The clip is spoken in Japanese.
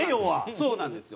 そうなんですよ。